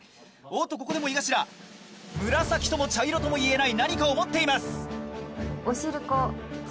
おっとここでも井頭紫とも茶色ともいえない何かを持っています！